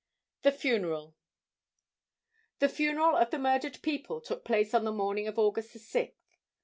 The Funeral. The funeral of the murdered people took place on the morning of August 6th.